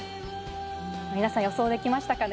皆さん予想できましたか